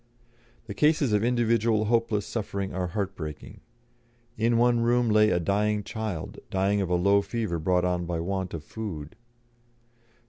The cases of individual hopeless suffering are heartbreaking. In one room lay a dying child, dying of low fever brought on by want of food.